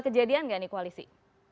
kejadian gak nih koalisi